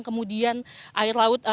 kemudian air laut